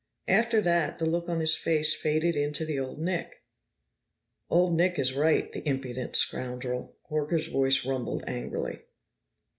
After that, the look on his face faded into the old Nick." "Old Nick is right the impudent scoundrel!" Horker's voice rumbled angrily.